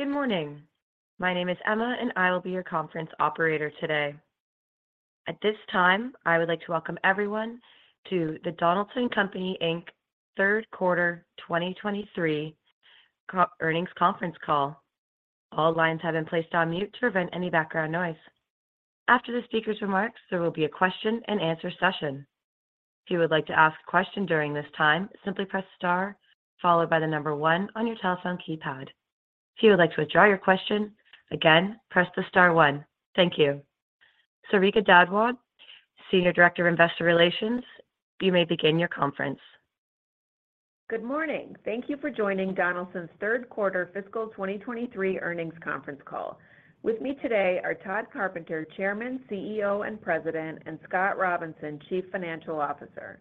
Good morning. My name is Emma, I will be your conference operator today. At this time, I would like to welcome everyone to the Donaldson Company Inc. Q3 2023 earnings conference call. All lines have been placed on mute to prevent any background noise. After the speaker's remarks, there will be a question-and-answer session. If you would like to ask a question during this time, simply press star followed by one on your telephone keypad. If you would like to withdraw your question, again, press the star one. Thank you. Sarika Dhadwal, Senior Director of Investor Relations, you may begin your conference. Good morning. Thank you for joining Donaldson's Q3 Fiscal 2023 Earnings Conference Call. With me today are Tod Carpenter, Chairman, CEO, and President, and Scott Robinson, Chief Financial Officer.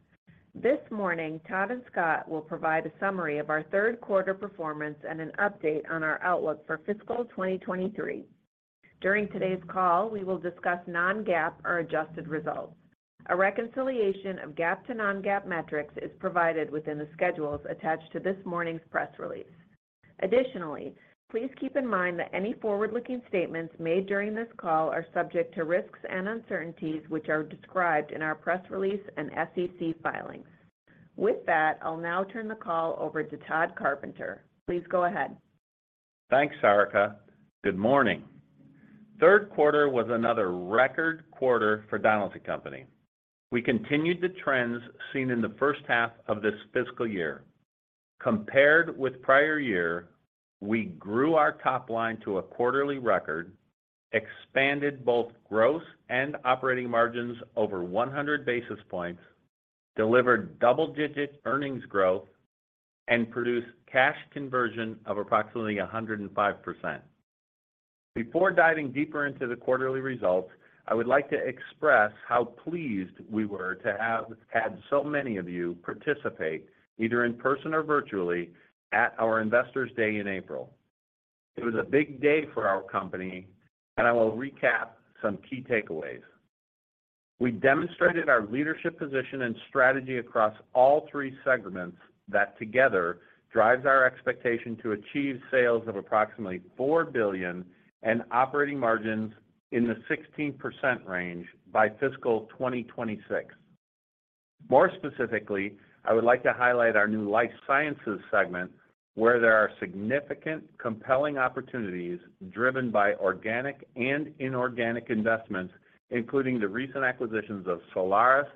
This morning, Tod and Scott will provide a summary of our Q3 performance and an update on our outlook for fiscal 2023. During today's call, we will discuss non-GAAP or adjusted results. A reconciliation of GAAP to non-GAAP metrics is provided within the schedules attached to this morning's press release. Additionally, please keep in mind that any forward-looking statements made during this call are subject to risks and uncertainties, which are described in our press release and SEC filings. With that, I'll now turn the call over to Tod Carpenter. Please go ahead. Thanks, Sarika. Good morning. Q3 was another record quarter for Donaldson Company. We continued the trends seen in the first half of this fiscal year. Compared with prior year, we grew our top line to a quarterly record, expanded both gross and operating margins over 100 basis points, delivered double-digit earnings growth, and produced cash conversion of approximately 105%. Before diving deeper into the quarterly results, I would like to express how pleased we were to have had so many of you participate, either in person or virtually, at our Investor Day in April. It was a big day for our company, and I will recap some key takeaways. We demonstrated our leadership position and strategy across all three segments that together drives our expectation to achieve sales of approximately $4 billion and operating margins in the 16% range by fiscal 2026. More specifically, I would like to highlight our new Life Sciences segment, where there are significant, compelling opportunities driven by organic and inorganic investments, including the recent acquisitions of Solaris,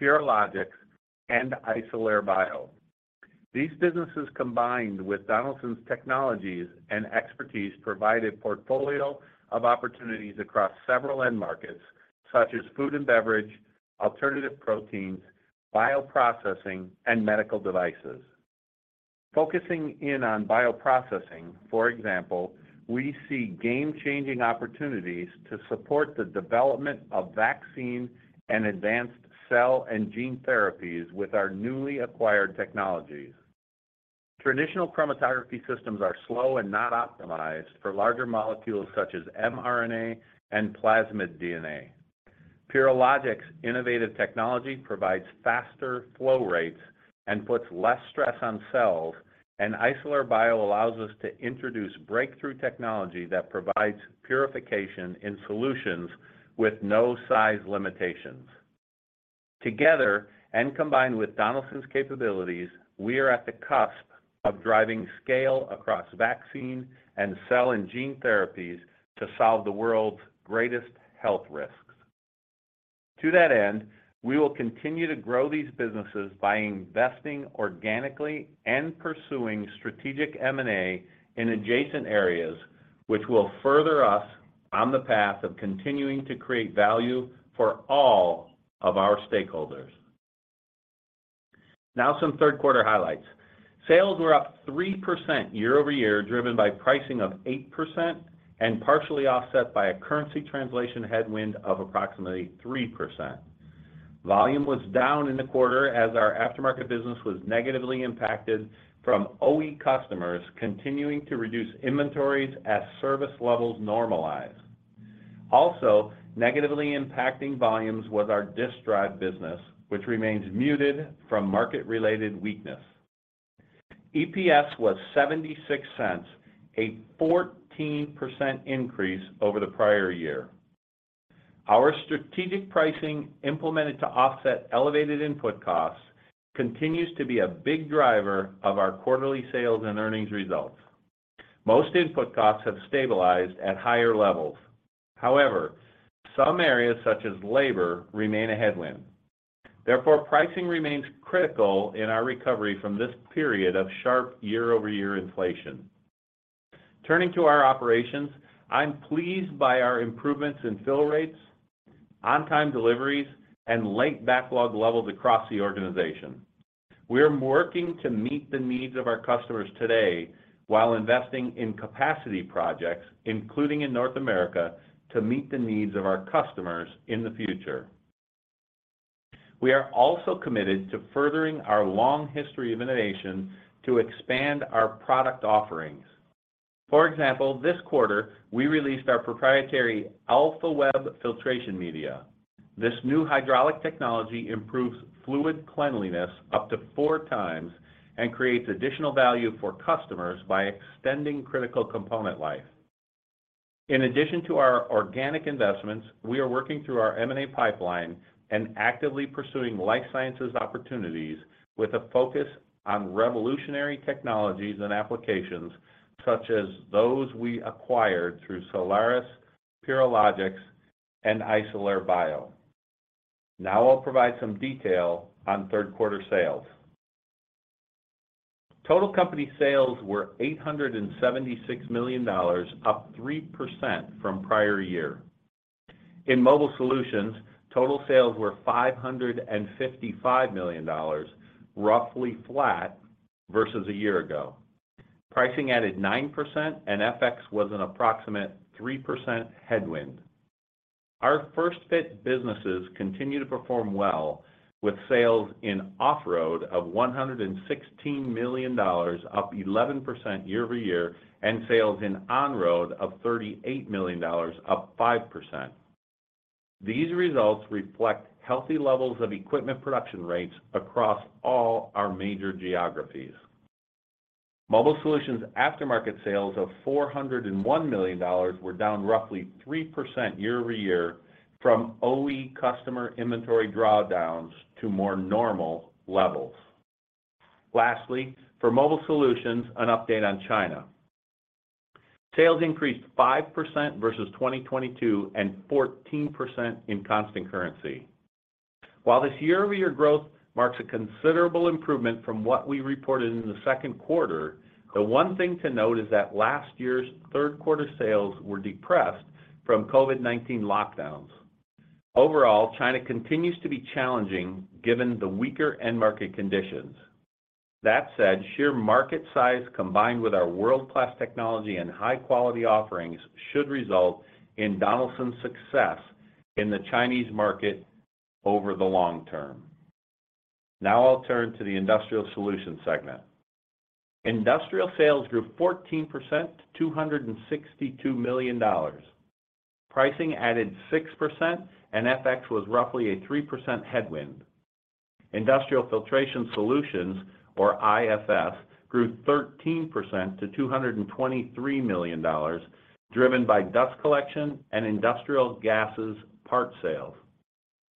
Purilogics, and Isolere Bio. These businesses, combined with Donaldson's technologies and expertise, provide a portfolio of opportunities across several end markets, such as food and beverage, alternative proteins, bioprocessing, and medical devices. Focusing in on bioprocessing, for example, we see game-changing opportunities to support the development of vaccine and advanced cell and gene therapies with our newly acquired technologies. Traditional chromatography systems are slow and not optimized for larger molecules such as mRNA and plasmid DNA. Purilogics's innovative technology provides faster flow rates and puts less stress on cells, and Isolere Bio allows us to introduce breakthrough technology that provides purification in solutions with no size limitations. Together, and combined with Donaldson's capabilities, we are at the cusp of driving scale across vaccine and cell and gene therapies to solve the world's greatest health risks. To that end, we will continue to grow these businesses by investing organically and pursuing strategic M&A in adjacent areas, which will further us on the path of continuing to create value for all of our stakeholders. Now, some Q3 highlights. Sales were up 3% year-over-year, driven by pricing of 8% and partially offset by a currency translation headwind of approximately 3%. Volume was down in the quarter as our aftermarket business was negatively impacted from OE customers continuing to reduce inventories as service levels normalize. Also, negatively impacting volumes was our disk drive business, which remains muted from market-related weakness. EPS was $0.76, a 14% increase over the prior year. Our strategic pricing, implemented to offset elevated input costs, continues to be a big driver of our quarterly sales and earnings results. Most input costs have stabilized at higher levels. Some areas, such as labor, remain a headwind. Pricing remains critical in our recovery from this period of sharp year-over-year inflation. Turning to our operations, I'm pleased by our improvements in fill rates, on-time deliveries, and late backlog levels across the organization. We are working to meet the needs of our customers today while investing in capacity projects, including in North America, to meet the needs of our customers in the future. We are also committed to furthering our long history of innovation to expand our product offerings. For example, this quarter, we released our proprietary Alpha-Web filtration media. This new hydraulic technology improves fluid cleanliness up to four times and creates additional value for customers by extending critical component life. In addition to our organic investments, we are working through our M&A pipeline and actively pursuing Life Sciences opportunities with a focus on revolutionary technologies and applications, such as those we acquired through Solaris, Purilogics, and Isolere Bio. Now I'll provide some detail on Q3 sales. Total company sales were $876 million, up 3% from prior year. In Mobile Solutions, total sales were $555 million, roughly flat versus a year ago. Pricing added 9%, and FX was an approximate 3% headwind. Our first-fit businesses continue to perform well, with sales in off-road of $116 million, up 11% year-over-year, and sales in on-road of $38 million, up 5%. These results reflect healthy levels of equipment production rates across all our major geographies. Mobile Solutions aftermarket sales of $401 million were down roughly 3% year-over-year from OE customer inventory drawdowns to more normal levels. Lastly, for Mobile Solutions, an update on China. Sales increased 5% versus 2022, and 14% in constant currency. While this year-over-year growth marks a considerable improvement from what we reported in the Q2, the one thing to note is that last year's Q3 sales were depressed from COVID-19 lockdowns. Overall, China continues to be challenging, given the weaker end market conditions. That said, sheer market size, combined with our world-class technology and high-quality offerings, should result in Donaldson's success in the Chinese market over the long term. Now I'll turn to the Industrial Solutions segment. Industrial sales grew 14% to $262 million. Pricing added 6%, and FX was roughly a 3% headwind. Industrial Filtration Solutions, or IFS, grew 13% to $223 million, driven by dust collection and industrial gases part sales.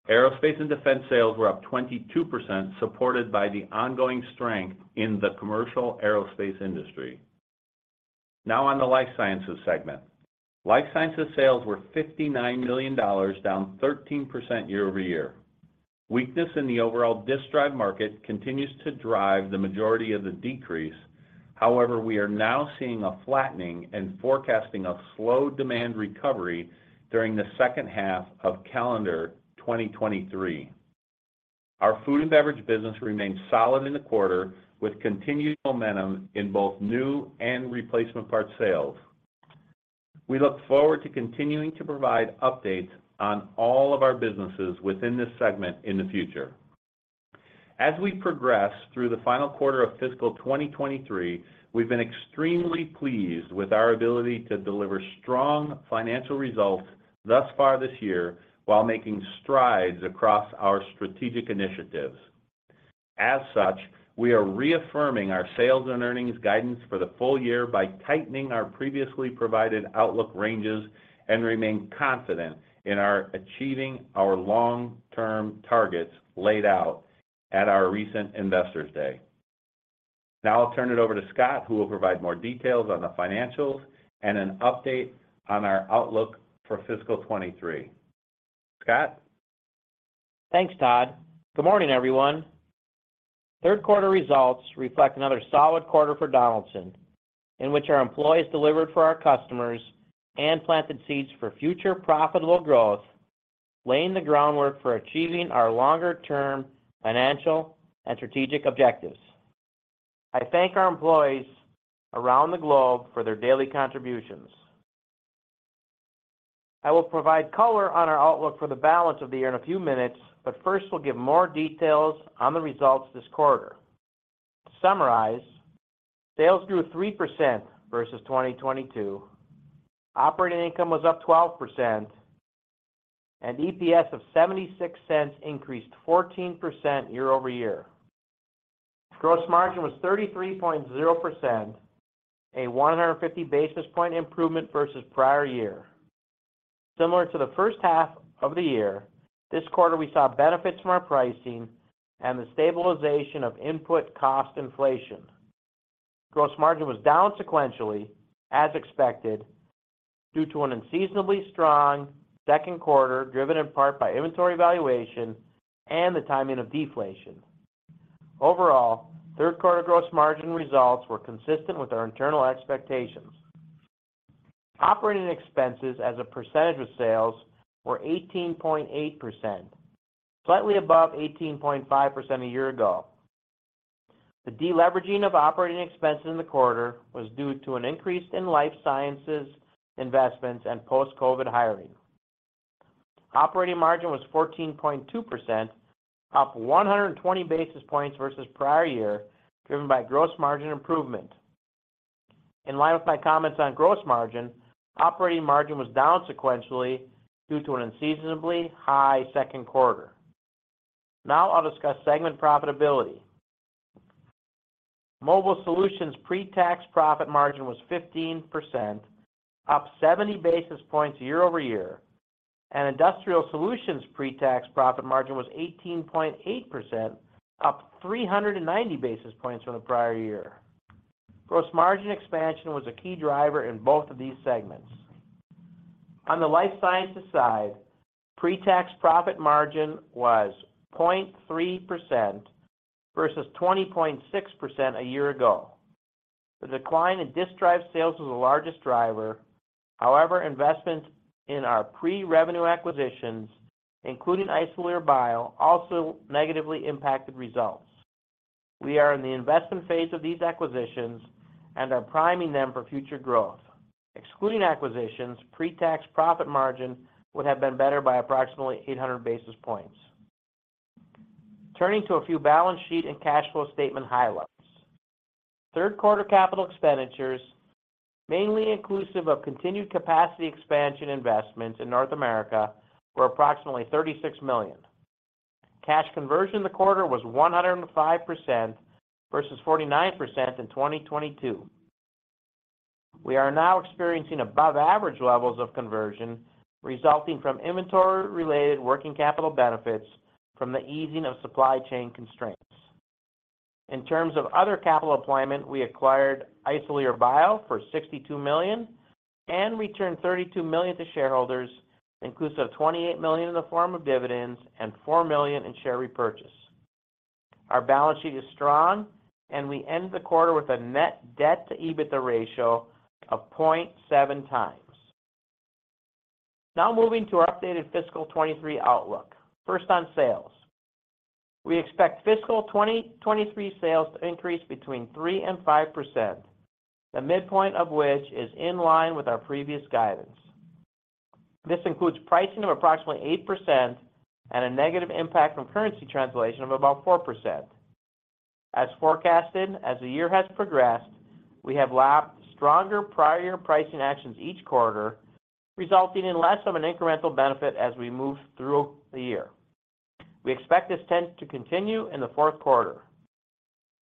Aerospace and Defense sales were up 22%, supported by the ongoing strength in the commercial aerospace industry. Now on the Life Sciences segment. Life Sciences sales were $59 million, down 13% year-over-year. Weakness in the overall disk drive market continues to drive the majority of the decrease. However, we are now seeing a flattening and forecasting a slow demand recovery during the second half of calendar 2023. Our food and beverage business remained solid in the quarter, with continued momentum in both new and replacement parts sales. We look forward to continuing to provide updates on all of our businesses within this segment in the future. As we progress through the final quarter of fiscal 2023, we've been extremely pleased with our ability to deliver strong financial results thus far this year while making strides across our strategic initiatives. As such, we are reaffirming our sales and earnings guidance for the full year by tightening our previously provided outlook ranges and remain confident in our achieving our long-term targets laid out at our recent Investor Day. Now I'll turn it over to Scott, who will provide more details on the financials and an update on our outlook for fiscal 2023. Scott? Thanks, Todd. Good morning, everyone. Q3 results reflect another solid quarter for Donaldson, in which our employees delivered for our customers and planted seeds for future profitable growth, laying the groundwork for achieving our longer-term financial and strategic objectives. I thank our employees around the globe for their daily contributions. I will provide color on our outlook for the balance of the year in a few minutes, but first, we'll give more details on the results this quarter. To summarize, sales grew 3% versus 2022, operating income was up 12%, and EPS of $0.76 increased 14% year-over-year. Gross margin was 33.0%, a 150 basis point improvement versus prior year. Similar to the first half of the year, this quarter we saw benefits from our pricing and the stabilization of input cost inflation. Gross margin was down sequentially, as expected, due to an unseasonably strong Q2, driven in part by inventory valuation and the timing of deflation. Overall, Q3 gross margin results were consistent with our internal expectations. Operating expenses as a percentage of sales were 18.8%, slightly above 18.5% a year ago. The deleveraging of operating expenses in the quarter was due to an increase in Life Sciences, investments, and post-COVID-19 hiring. Operating margin was 14.2%, up 120 basis points versus prior year, driven by gross margin improvement. In line with my comments on gross margin, operating margin was down sequentially due to an unseasonably high Q2. I'll discuss segment profitability. Mobile Solutions pre-tax profit margin was 15%, up 70 basis points year-over-year, and Industrial Solutions pre-tax profit margin was 18.8%, up 390 basis points from the prior year. Gross margin expansion was a key driver in both of these segments. On the Life Sciences side, pre-tax profit margin was 0.3% versus 20.6% a year ago. The decline in disk drive sales was the largest driver. However, investments in our pre-revenue acquisitions, including Isolere Bio, also negatively impacted results. We are in the investment phase of these acquisitions and are priming them for future growth. Excluding acquisitions, pre-tax profit margin would have been better by approximately 800 basis points. Turning to a few balance sheet and cash flow statement highlights. Q3 capital expenditures, mainly inclusive of continued capacity expansion investments in North America, were approximately $36 million. Cash conversion in the quarter was 105% versus 49% in 2022. We are now experiencing above average levels of conversion, resulting from inventory-related working capital benefits from the easing of supply chain constraints. In terms of other capital deployment, we acquired Isolere Bio for $62 million and returned $32 million to shareholders, inclusive of $28 million in the form of dividends and $4 million in share repurchase. Our balance sheet is strong, and we end the quarter with a net debt-to-EBITDA ratio of 0.7 times. Moving to our updated fiscal 2023 outlook. First on sales. We expect fiscal 2023 sales to increase between 3% and 5%, the midpoint of which is in line with our previous guidance. This includes pricing of approximately 8% and a negative impact from currency translation of about 4%. As forecasted, as the year has progressed, we have lapped stronger prior pricing actions each quarter, resulting in less of an incremental benefit as we move through the year. We expect this trend to continue in the Q4.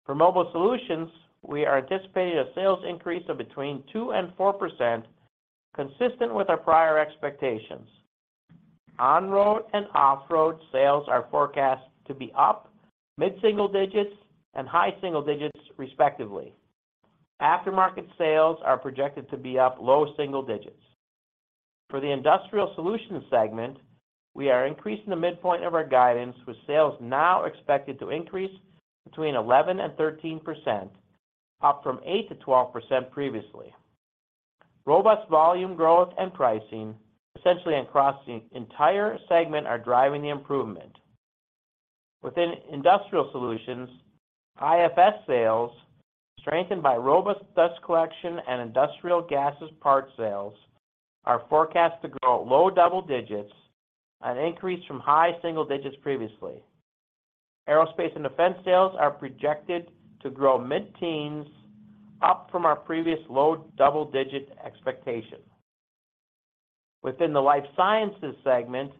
For Mobile Solutions, we are anticipating a sales increase of between 2% and 4%, consistent with our prior expectations. On-road and off-road sales are forecast to be up mid-single digits and high single digits, respectively. Aftermarket sales are projected to be up low single digits. For the Industrial Solutions segment, we are increasing the midpoint of our guidance, with sales now expected to increase between 11% and 13%, up from 8%-12% previously. Robust volume growth and pricing, essentially across the entire segment, are driving the improvement. Within Industrial Solutions, IFS sales, strengthened by robust dust collection and industrial gases part sales, are forecast to grow low double-digits, an increase from high single-digits previously. Aerospace and Defense sales are projected to grow mid-teens, up from our previous low double-digit expectation. Within the Life Sciences segment,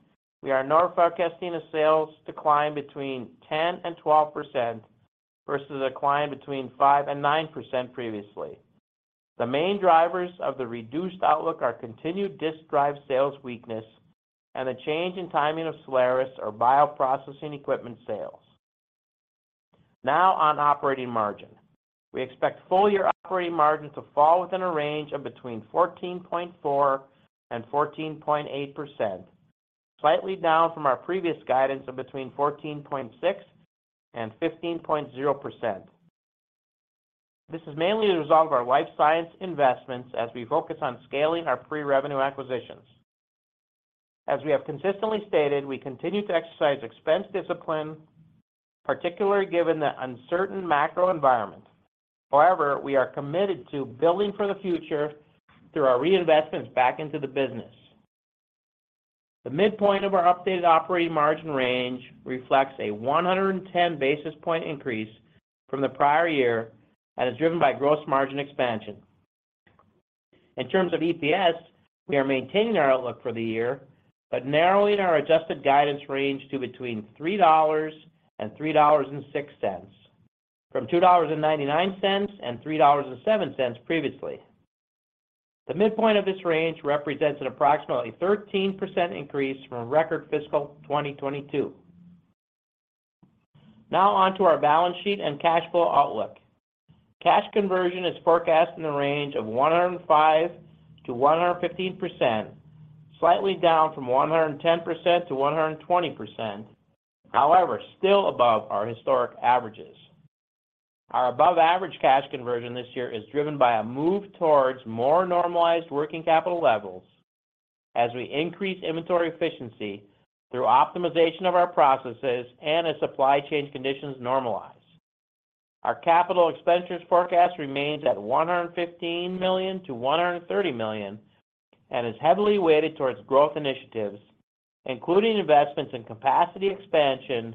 we are now forecasting a sales decline between 10%-12% versus a decline between 5%-9% previously. The main drivers of the reduced outlook are continued disk drive sales weakness and a change in timing of Solaris or bioprocessing equipment sales. On operating margin. We expect full year operating margin to fall within a range of between 14.4%-14.8%, slightly down from our previous guidance of between 14.6%-15.0%. This is mainly a result of our Life Sciences investments as we focus on scaling our pre-revenue acquisitions. As we have consistently stated, we continue to exercise expense discipline, particularly given the uncertain macro environment. However, we are committed to building for the future through our reinvestments back into the business. The midpoint of our updated operating margin range reflects a 110 basis point increase from the prior year and is driven by gross margin expansion. In terms of EPS, we are maintaining our outlook for the year, but narrowing our adjusted guidance range to between $3.00 and $3.06, from $2.99 and $3.07 previously. The midpoint of this range represents an approximately 13% increase from a record fiscal 2022. On to our balance sheet and cash flow outlook. Cash conversion is forecast in the range of 105%-115%, slightly down from 110%-120%. However, still above our historic averages. Our above average cash conversion this year is driven by a move towards more normalized working capital levels as we increase inventory efficiency through optimization of our processes and as supply chain conditions normalize. Our capital expenditures forecast remains at $115 million-$130 million and is heavily weighted towards growth initiatives, including investments in capacity expansion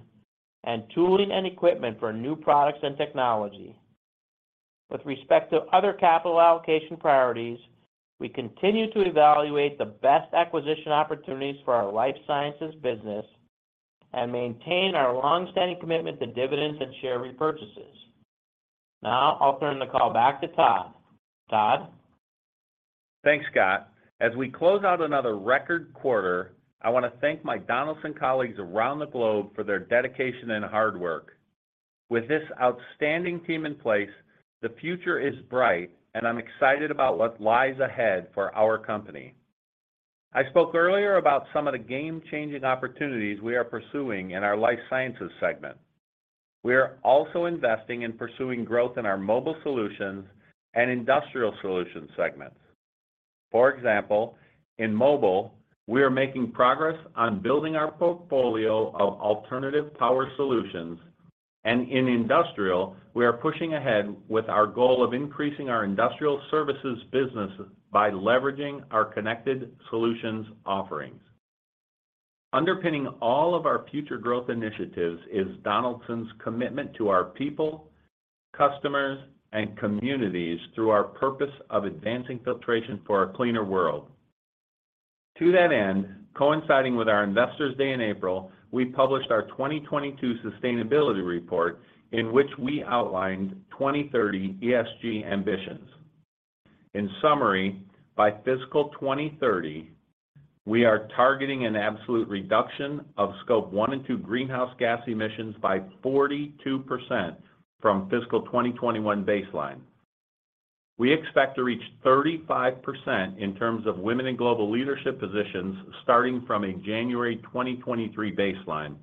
and tooling and equipment for new products and technology. With respect to other capital allocation priorities, we continue to evaluate the best acquisition opportunities for our Life Sciences business and maintain our long-standing commitment to dividends and share repurchases. Now, I'll turn the call back to Todd. Todd? Thanks, Scott. As we close out another record quarter, I want to thank my Donaldson colleagues around the globe for their dedication and hard work. With this outstanding team in place, the future is bright, and I'm excited about what lies ahead for our company. I spoke earlier about some of the game-changing opportunities we are pursuing in our Life Sciences segment. We are also investing in pursuing growth in our Mobile Solutions and Industrial Solutions segments. For example, in mobile, we are making progress on building our portfolio of alternative power solutions, and in industrial, we are pushing ahead with our goal of increasing our industrial services business by leveraging our Connected Solutions offerings. Underpinning all of our future growth initiatives is Donaldson's commitment to our people, customers, and communities through our purpose of advancing filtration for a cleaner world. To that end, coinciding with our Investor Day in April, we published our 2022 sustainability report, in which we outlined 2030 ESG ambitions. In summary, by fiscal 2030, we are targeting an absolute reduction of Scope 1 and 2 greenhouse gas emissions by 42% from fiscal 2021 baseline. We expect to reach 35% in terms of women in global leadership positions, starting from a January 2023 baseline.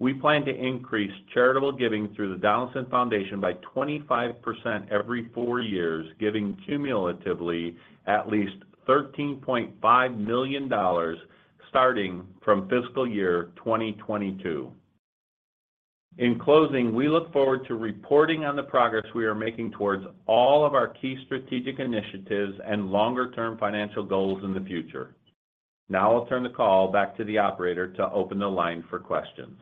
We plan to increase charitable giving through the Donaldson Foundation by 25% every four years, giving cumulatively at least $13.5 million, starting from fiscal year 2022. In closing, we look forward to reporting on the progress we are making towards all of our key strategic initiatives and longer-term financial goals in the future. Now, I'll turn the call back to the operator to open the line for questions.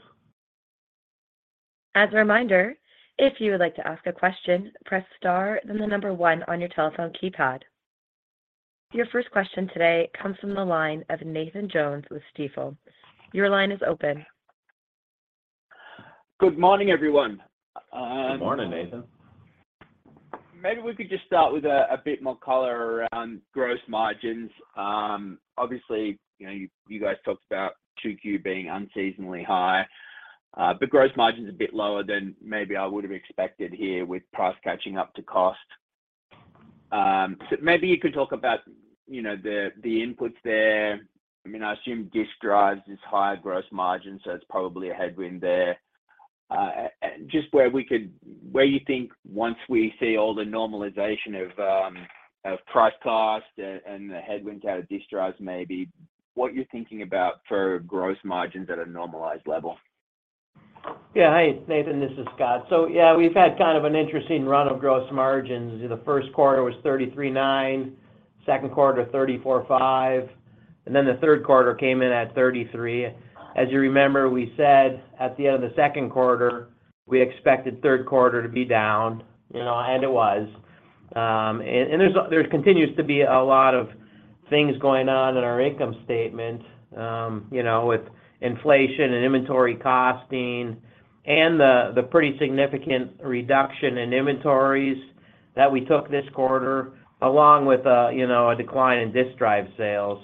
As a reminder, if you would like to ask a question, press star, then the number one on your telephone keypad. Your first question today comes from the line of Nathan Jones with Stifel. Your line is open. Good morning, everyone. Good morning, Nathan. Maybe we could just start with a bit more color around gross margins. Obviously, you know, guys talked about 2Q being unseasonably high, but gross margin is a bit lower than maybe I would have expected here with price catching up to cost. Maybe you could talk about, you know, the inputs there. I mean, I assume disk drives is higher gross margin, so it's probably a headwind there. Just where you think once we see all the normalization of price cost and the headwinds out of disk drives, maybe what you're thinking about for gross margins at a normalized level? Yeah. Hi, Nathan, this is Scott. Yeah, we've had kind of an interesting run of gross margins. The Q1 was 33.9%, Q2, 34.5%, and then the Q3 came in at 33%. As you remember, we said at the end of the Q2, we expected Q3 to be down, you know, and it was. There continues to be a lot of things going on in our income statement, you know, with inflation and inventory costing and the pretty significant reduction in inventories that we took this quarter, along with, you know, a decline in disk drive sales.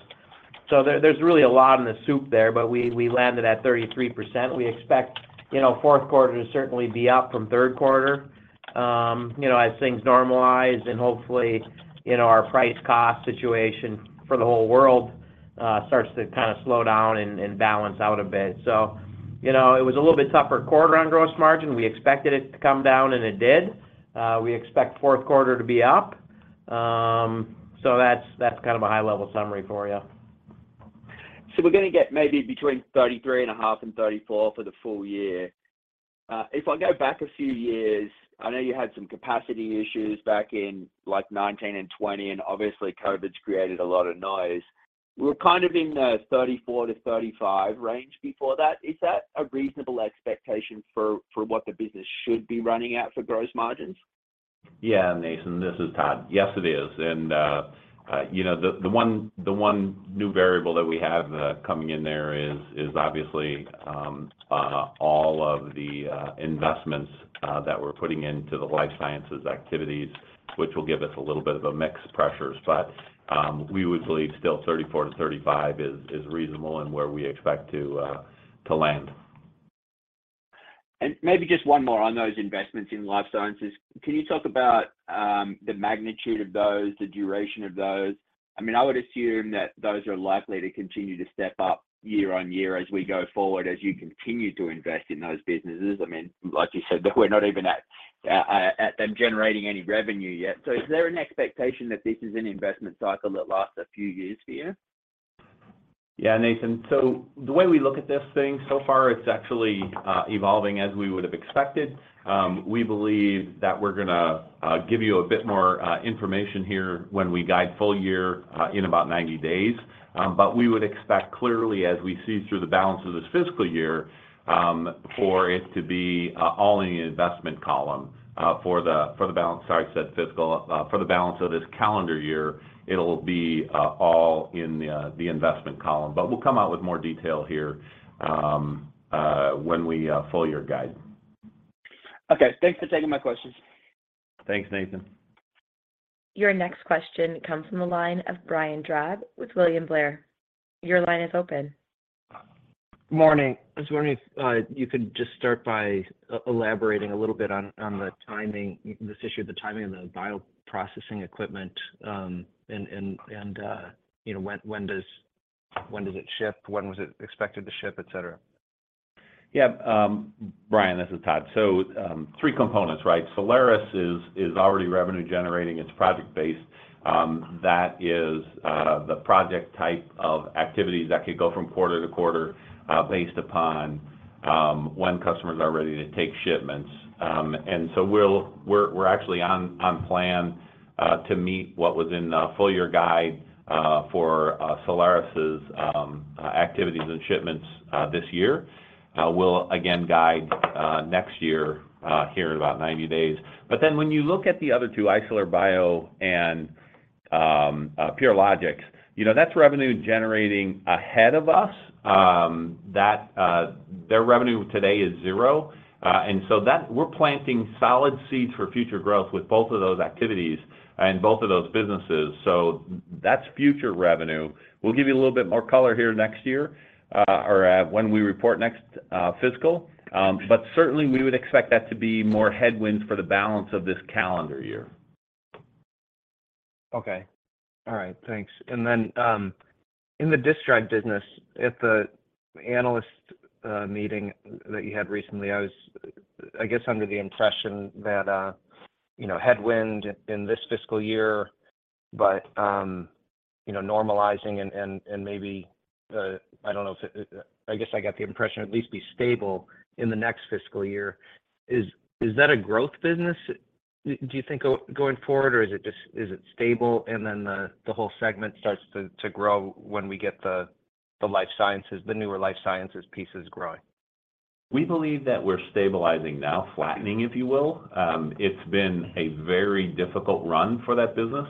There's really a lot in the soup there, but we landed at 33%. We expect, you know, Q4 to certainly be up from Q3, you know, as things normalize and hopefully, you know, our price-cost situation for the whole world, starts to kind of slow down and balance out a bit. You know, it was a little bit tougher quarter on gross margin. We expected it to come down, and it did. We expect Q4 to be up. That's kind of a high-level summary for you. We're gonna get maybe between 33.5% and 34% for the full year. If I go back a few years, I know you had some capacity issues back in, like, 2019 and 2020, and obviously, COVID's created a lot of noise. We're kind of in the 34%-35% range before that. Is that a reasonable expectation for what the business should be running at for gross margins? Yeah, Nathan, this is Todd. Yes, it is. You know, the one new variable that we have coming in there is obviously all of the investments that we're putting into the Life Sciences activities, which will give us a little bit of a mix pressures. We would believe still 34%-35% is reasonable and where we expect to land. Maybe just one more on those investments in Life Sciences. Can you talk about the magnitude of those, the duration of those? I mean, I would assume that those are likely to continue to step up year-over-year as we go forward, as you continue to invest in those businesses. I mean, like you said, we're not even at them generating any revenue yet. Is there an expectation that this is an investment cycle that lasts a few years for you? Nathan, the way we look at this thing, so far it's actually evolving as we would have expected. We believe that we're gonna give you a bit more information here when we guide full year in about 90 days. We would expect clearly, as we see through the balance of this fiscal year, for it to be all in the investment column for the balance sorry, I said fiscal. For the balance of this calendar year, it'll be all in the investment column. We'll come out with more detail here when we full year guide. Okay. Thanks for taking my questions. Thanks, Nathan. Your next question comes from the line of Brian Drab with William Blair. Your line is open. Morning. I was wondering if you could just start by elaborating a little bit on the timing, this issue of the timing and the bioprocessing equipment, and, you know, when does it ship? When was it expected to ship, et cetera? Yeah, Brian, this is Todd. Three components, right? Solaris is already revenue generating, it's project-based. That is the project type of activities that could go from quarter to quarter, based upon when customers are ready to take shipments. We're actually on plan to meet what was in the full year guide for Solaris's activities and shipments this year. We'll again guide next year here in about 90 days. When you look at the other two, Isolere Bio and Purilogics, you know, that's revenue generating ahead of us. That their revenue today is 0, and so we're planting solid seeds for future growth with both of those activities and both of those businesses, so that's future revenue. We'll give you a little bit more color here next year, or, when we report next, fiscal. Certainly, we would expect that to be more headwinds for the balance of this calendar year. Okay. All right, thanks. In the disk drive business, at the analyst meeting that you had recently, I was, I guess, under the impression that, you know, headwind in this fiscal year, but, you know, normalizing and maybe, I don't know if... I guess I got the impression at least be stable in the next fiscal year. Is that a growth business, do you think, going forward, or is it stable, and then the whole segment starts to grow when we get the Life Sciences, the newer Life Sciences pieces growing? We believe that we're stabilizing now, flattening, if you will. It's been a very difficult run for that business,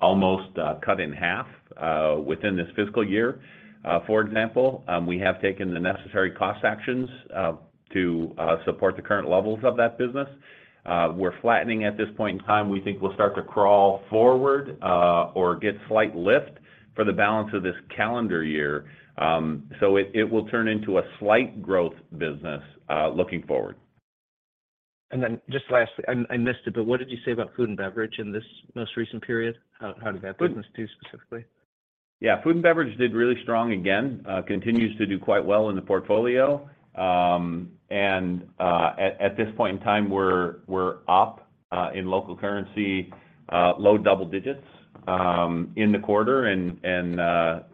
almost cut in half within this fiscal year. For example, we have taken the necessary cost actions to support the current levels of that business. We're flattening at this point in time. We think we'll start to crawl forward or get slight lift for the balance of this calendar year. It, it will turn into a slight growth business looking forward. Just lastly, I missed it, but what did you say about food and beverage in this most recent period? How did that business do specifically? Yeah, food and beverage did really strong again, continues to do quite well in the portfolio. At this point in time, we're up in local currency, low double digits in the quarter and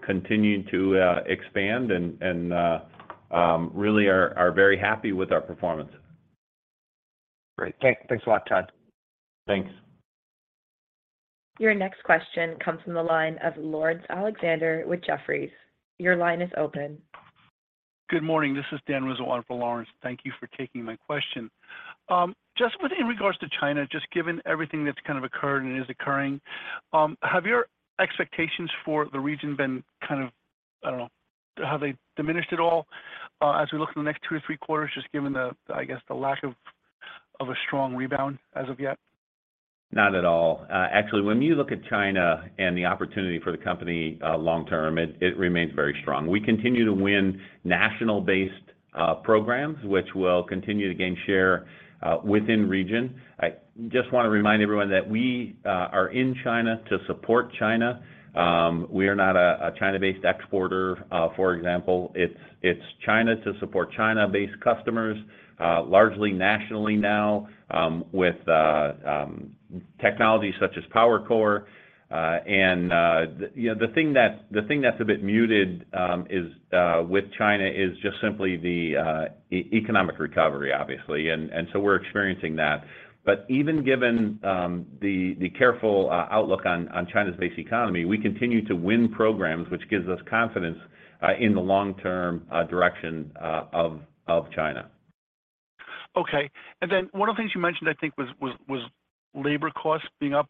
continuing to expand and really are very happy with our performance. Great. Thanks a lot, Todd. Thanks. Your next question comes from the line of Laurence Alexander with Jefferies. Your line is open. Good morning, this is Dan Rizzo for Laurence. Thank you for taking my question. Just with in regards to China, just given everything that's kind of occurred and is occurring, have your expectations for the region been kind of, I don't know, have they diminished at all, as we look in the next two to three quarters, just given the, I guess, the lack of a strong rebound as of yet? Not at all. Actually, when you look at China and the opportunity for the company, long term, it remains very strong. We continue to win national-based programs, which will continue to gain share within region. I just want to remind everyone that we are in China to support China. We are not a China-based exporter. For example, it's China to support China-based customers, largely nationally now, with technology such as PowerCore. The, you know, the thing that's a bit muted is with China is just simply the economic recovery, obviously. We're experiencing that. Even given the careful outlook on China's base economy, we continue to win programs, which gives us confidence in the long-term direction of China. One of the things you mentioned, I think was labor costs being up.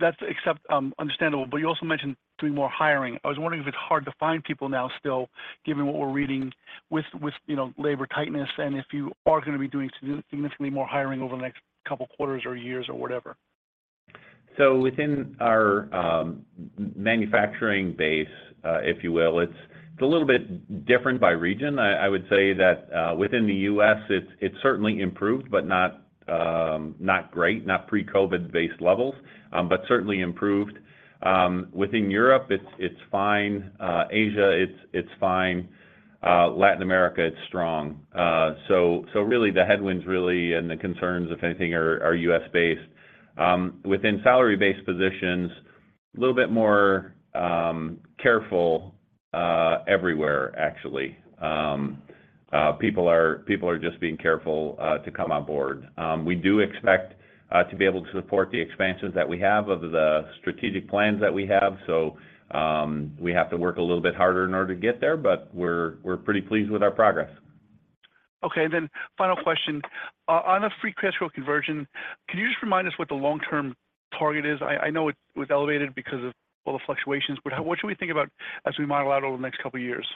That's except, understandable, but you also mentioned doing more hiring. I was wondering if it's hard to find people now still, given what we're reading with, you know, labor tightness, and if you are gonna be doing significantly more hiring over the next couple of quarters or years or whatever. Within our manufacturing base, if you will, it's a little bit different by region. I would say that within the U.S., it's certainly improved, but not great, not pre-COVID based levels, but certainly improved. Within Europe, it's fine. Asia, it's fine. Latin America, it's strong. Really the headwinds and the concerns, if anything, are U.S.-based. Within salary-based positions, a little bit more careful everywhere, actually. People are just being careful to come on board. We do expect to be able to support the expansions that we have of the strategic plans that we have. We have to work a little bit harder in order to get there, but we're pretty pleased with our progress. Okay. Final question. On a free cash flow conversion, can you just remind us what the long-term target is? I know it was elevated because of all the fluctuations, what should we think about as we model out over the next couple of years?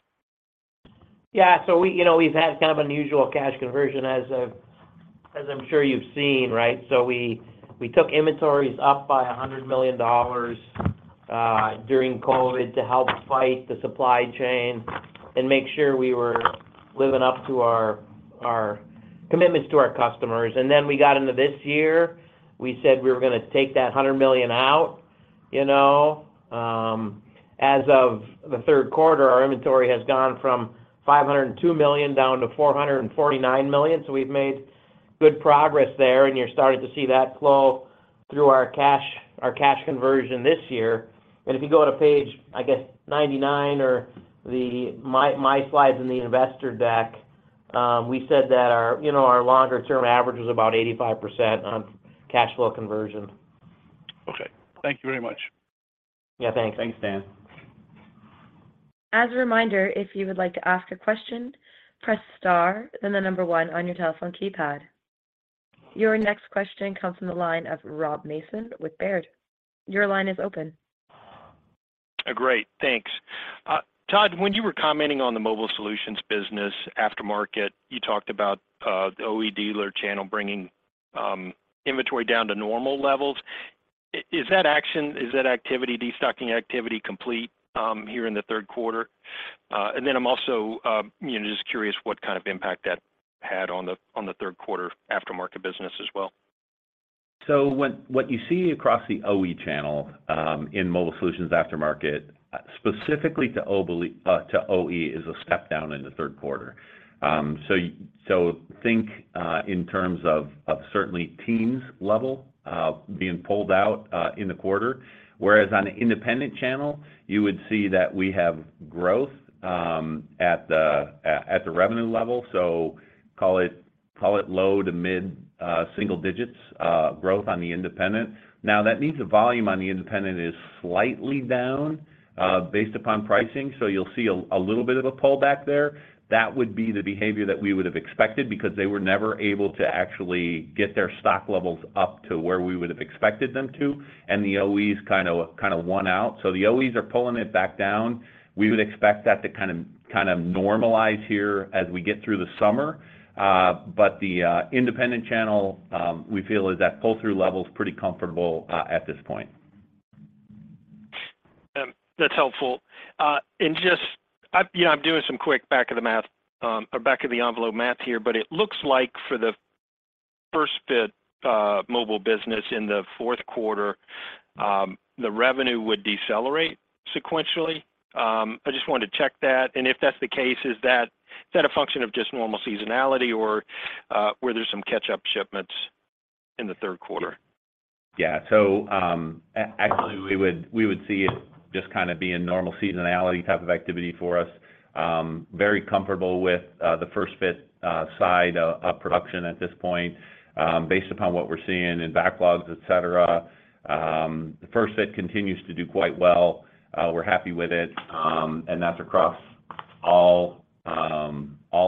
We, you know, we've had kind of unusual cash conversion, as I'm sure you've seen, right? We, we took inventories up by $100 million during COVID to help fight the supply chain and make sure we were living up to our commitments to our customers. Then we got into this year, we said we were gonna take that $100 million out, you know. As of the Q3, our inventory has gone from $502 million down to $449 million. We've made good progress there, and you're starting to see that flow through our cash, our cash conversion this year. If you go to page, I guess, 99 or my slides in the investor deck, we said that our, you know, our longer term average was about 85% on cash flow conversion. Okay. Thank you very much. Yeah, thanks. Thanks, Dan. As a reminder, if you would like to ask a question, press star, then the number one on your telephone keypad. Your next question comes from the line of Rob Mason with Baird. Your line is open. Great, thanks. Todd, when you were commenting on the Mobile Solutions business aftermarket, you talked about the OE dealer channel bringing inventory down to normal levels. Is that activity, destocking activity complete here in the Q3? I'm also, you know, just curious what kind of impact that had on the Q3 aftermarket business as well. What you see across the OE channel, in Mobile Solutions aftermarket, specifically to OE, is a step down in the Q3. Think in terms of certainly teams level being pulled out in the quarter, whereas on an independent channel, you would see that we have growth at the revenue level. Call it low to mid single digits growth on the independent. That means the volume on the independent is slightly down based upon pricing, so you'll see a little bit of a pullback there. That would be the behavior that we would have expected, because they were never able to actually get their stock levels up to where we would have expected them to, and the OEs kind of won out. The OEs are pulling it back down. We would expect that to kind of normalize here as we get through the summer. The independent channel, we feel is that pull-through level is pretty comfortable, at this point. That's helpful. Just... I, you know, I'm doing some quick back of the math, or back of the envelope math here, but it looks like for the first fit, Mobile Solutions in the Q4, the revenue would decelerate sequentially. I just wanted to check that. If that's the case, is that, is that a function of just normal seasonality or were there some catch-up shipments in the Q3? Actually, we would see it just kinda being normal seasonality type of activity for us. Very comfortable with the first fit side of production at this point, based upon what we're seeing in backlogs, et cetera. The first fit continues to do quite well. We're happy with it. And that's across all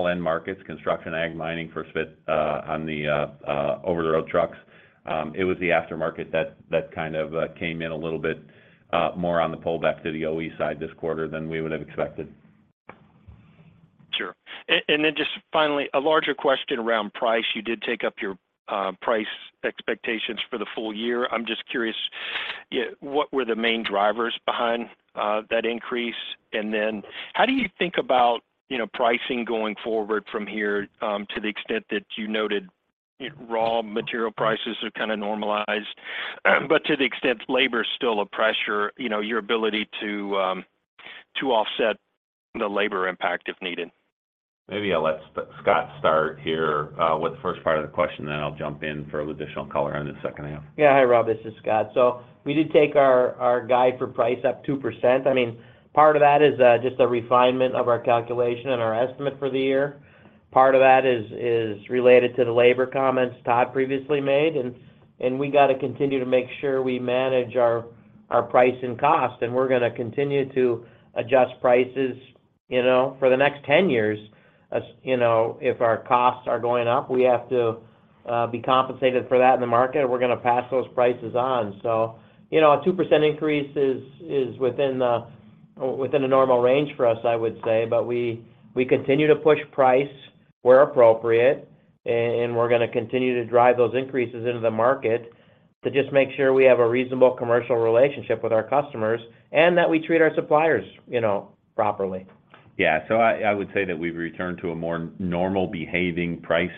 end markets, construction, ag, mining, first fit on the over-the-road trucks. It was the aftermarket that kind of came in a little bit more on the pullback to the OE side this quarter than we would have expected. Sure. Then just finally, a larger question around price. You did take up your price expectations for the full year. I'm just curious, what were the main drivers behind that increase? How do you think about, you know, pricing going forward from here to the extent that you noted, raw material prices are kinda normalized, but to the extent labor is still a pressure, you know, your ability to offset the labor impact if needed? Maybe I'll let Scott start here, with the first part of the question, then I'll jump in for a little additional color on the second half. Hi, Rob, this is Scott. We did take our guide for price up 2%. I mean, part of that is just a refinement of our calculation and our estimate for the year. Part of that is related to the labor comments Todd previously made, and we got to continue to make sure we manage our price and cost, and we're gonna continue to adjust prices, you know, for the next 10 years. You know, if our costs are going up, we have to be compensated for that in the market, and we're gonna pass those prices on. You know, a 2% increase is within a normal range for us, I would say. We continue to push price where appropriate, and we're gonna continue to drive those increases into the market to just make sure we have a reasonable commercial relationship with our customers, and that we treat our suppliers, you know, properly. Yeah. I would say that we've returned to a more normal behaving price,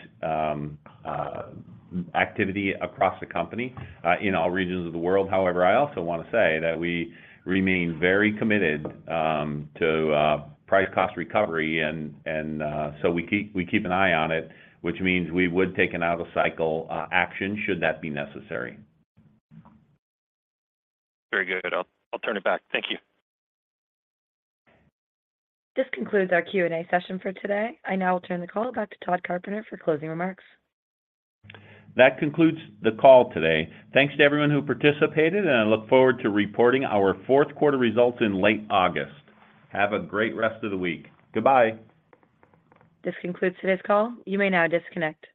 activity across the company, in all regions of the world. I also want to say that we remain very committed, to price cost recovery, and, so we keep an eye on it, which means we would take an out of cycle, action, should that be necessary. Very good. I'll turn it back. Thank you. This concludes our Q&A session for today. I now turn the call back to Tod Carpenter for closing remarks. That concludes the call today. Thanks to everyone who participated, and I look forward to reporting our Q4 results in late August. Have a great rest of the week. Goodbye. This concludes today's call. You may now disconnect.